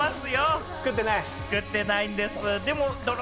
作ってない？ないんですよ。